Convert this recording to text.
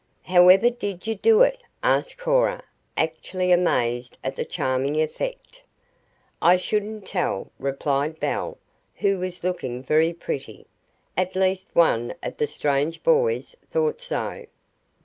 "However did you do it?" asked Cora, actually amazed at the charming effect. "I shouldn't tell," replied Belle, who was looking very pretty at least one of the strange boys thought so.